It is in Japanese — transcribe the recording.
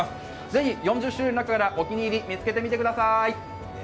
ぜひ４０種類の中からお気に入り見つけてみてください。